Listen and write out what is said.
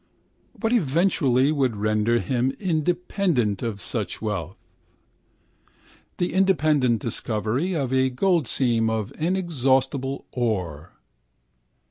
What eventuality would render him independent of such wealth? The independent discovery of a goldseam of inexhaustible ore.